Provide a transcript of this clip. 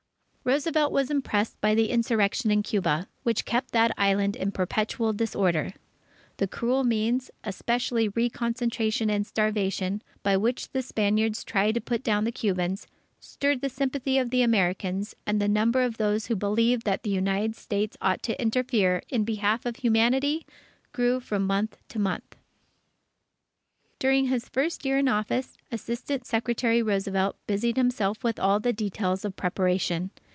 Roosevelt was impressed by the insurrection in Cuba, which kept that Island in perpetual disorder. The cruel means, especially reconcentration and starvation, by which the Spaniards tried to put down the Cubans, stirred the sympathy of the Americans, and the number of those who believed that the United States ought to interfere in behalf of humanity, grew from month to month. During his first year in office, Assistant Secretary Roosevelt busied himself with all the details of preparation.